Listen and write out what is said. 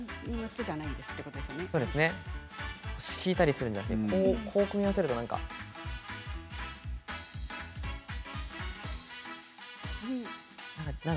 敷いたりするのではなくてこう組み合わせるとなんか。